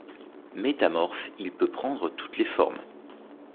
Métamorphe, il peut prendre toutes les formes.